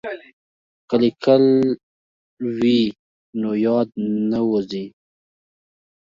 که لیکل وي نو یاد نه وځي.